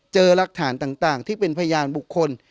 รักฐานต่างที่เป็นพยานบุคคล